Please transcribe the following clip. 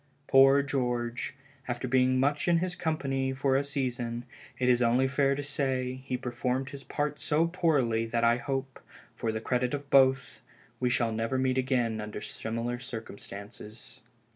Poor George, after being much in his company for a season, it is only fair to say, he performed his part so poorly that I hope, for the credit of both, we shall never meet again under similar circumstances.